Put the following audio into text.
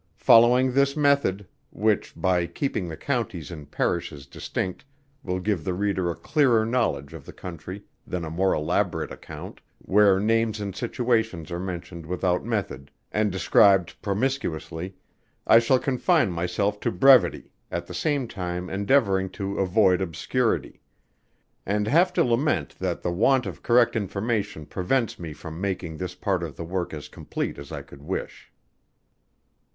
Following this method, (which by keeping the counties and parishes distinct, will give the reader a clearer knowledge of the country than a more elaborate account, where names and situations are mentioned without method, and described promiscuously) I shall confine myself to brevity, at the same time endeavouring to avoid obscurity; and have to lament that the want of correct information prevents me from making this part of the work as complete as I could wish.